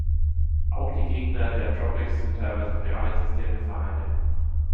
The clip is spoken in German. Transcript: Auch die Gegner der Tropics sind teilweise real existierende Vereine.